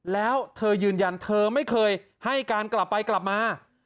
แล้วเธอยืนยันเธอไม่เคยให้การกลับไปกลับมา